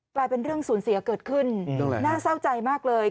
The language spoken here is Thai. กลายเป็นเรื่องสูญเสียเกิดขึ้นน่าเศร้าใจมากเลย